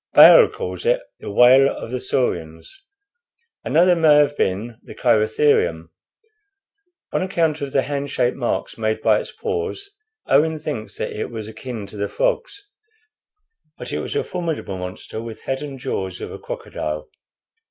Bayle calls it the whale of the saurians. Another may have been the Cheirotherium. On account of the hand shaped marks made by its paws, Owen thinks that it was akin to the frogs; but it was a formidable monster, with head and jaws of a crocodile.